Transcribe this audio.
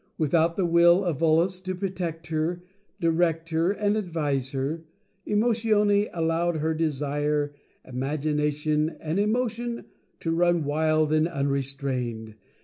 Without the Will of Volos to protect her, di 84 ' Mental Fascination rect her, and advise her, Emotione allowed her De sire, Imagination, and Emotion to run wild and un restrained.